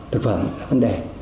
thực phẩm là vấn đề